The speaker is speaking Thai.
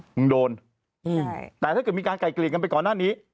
โดนแต่ถ้าเกิดมีการไก่เกลี่ยกันไปก่อนหน้านี้